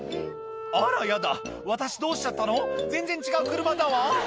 「あらヤダ私どうしちゃったの全然違う車だわ！」